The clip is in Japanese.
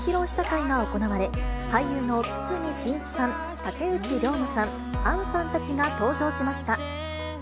試写会が行われ、俳優の堤真一さん、竹内涼真さん、杏さんたちが登場しました。